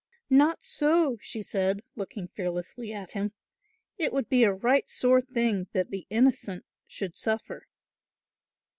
"Not so," she said, looking fearlessly at him, "it would be a right sore thing that the innocent should suffer."